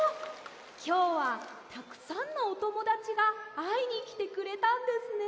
きょうはたくさんのおともだちがあいにきてくれたんですね。